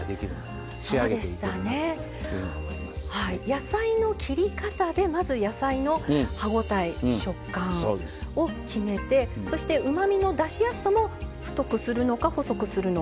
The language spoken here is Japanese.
野菜の切り方でまず野菜の歯応え食感を決めてそしてうまみの出しやすさも太くするのか細くするのか